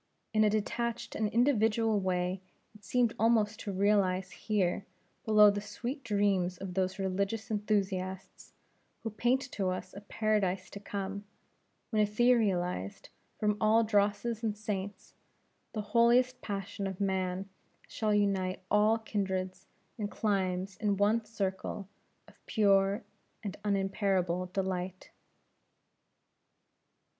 In a detached and individual way, it seemed almost to realize here below the sweet dreams of those religious enthusiasts, who paint to us a Paradise to come, when etherealized from all drosses and stains, the holiest passion of man shall unite all kindreds and climes in one circle of pure and unimpairable delight.